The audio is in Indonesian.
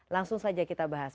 langsung saja kita bahas